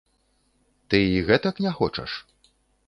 Ты і гэтак не хочаш?